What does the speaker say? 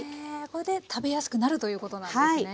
これで食べやすくなるということなんですね。